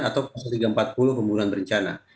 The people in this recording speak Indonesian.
atau pasal tiga ratus empat puluh pembunuhan berencana